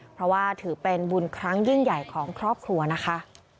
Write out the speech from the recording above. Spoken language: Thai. เพราะว่าถือเป็นบุญครั้งยิ่งใหญ่ของครอบครัวนะคะ